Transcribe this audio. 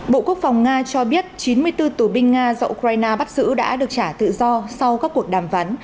bộ quốc phòng nga cho biết chín mươi bốn tù binh nga do ukraine bắt giữ đã được trả tự do sau các cuộc đàm phán